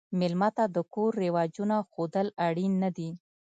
مېلمه ته د کور رواجونه ښودل اړین نه دي.